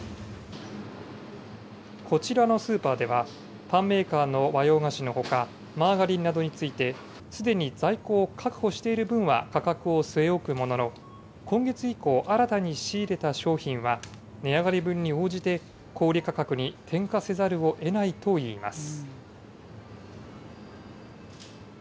こちらのスーパーでは、パンメーカーの和洋菓子のほか、マーガリンなどについて、すでに在庫を確保している分は価格を据え置くものの、今月以降、新たに仕入れた商品は、値上がり分に応じて小売り価格に転嫁せざるをえないといいます。